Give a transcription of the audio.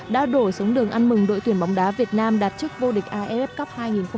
đã đổ xuống đường ăn mừng đội tuyển bóng đá việt nam đạt chức vô địch af cup hai nghìn một mươi tám